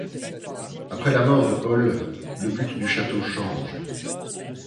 Après la mort de Paul, le but du château change.